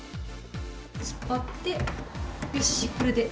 突っ張ってよしこれで。